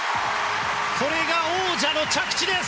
これが王者の着地です。